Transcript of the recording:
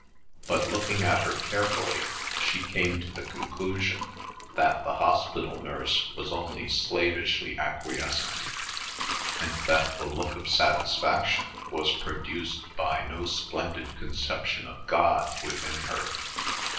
But looking at her carefully she came to the conclusion that the hospital nurse was only slavishly acquiescent, and that the look of satisfaction was produced by no splendid conception of God within her.